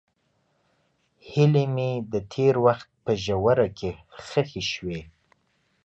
هیلې مې د تېر وخت په ژوره کې ښخې شوې.